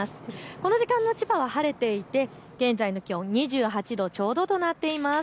この時間の千葉は晴れていて現在の気温、２８度ちょうどとなっています。